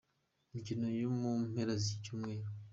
Imikino yo mu mpera z’iki cyumweru.